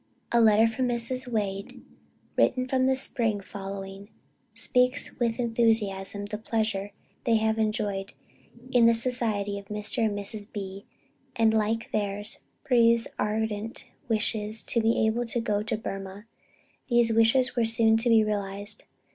_" A letter from Mrs. Wade written in the spring following, speaks with enthusiasm of the pleasure they have enjoyed in the society of Mr. and Mrs. B, and, like theirs, breathes ardent wishes to be able to go to Burmah. These wishes were soon to be realized.